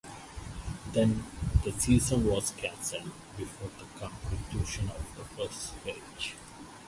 The season was cancelled before the completiuon of the first stage.